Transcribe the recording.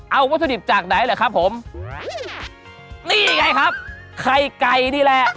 เอาวัตถุดิบจากไหนแหละครับผมนี่ไงครับไข่ไก่นี่แหละ